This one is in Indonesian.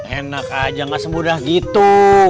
enak aja gak semudah gitu